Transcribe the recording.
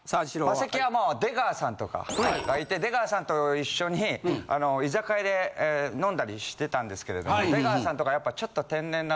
マセキはもう出川さんとかがいて出川さんと一緒に居酒屋で飲んだりしてたんですけれども出川さんとかやっぱちょっと。